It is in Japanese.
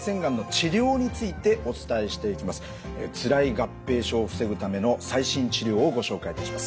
つらい合併症を防ぐための最新治療をご紹介いたします。